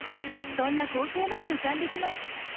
そんな光景まで浮かんできます。